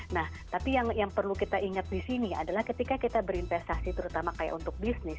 nah tapi yang perlu kita ingat di sini adalah ketika kita berinvestasi terutama kayak untuk bisnis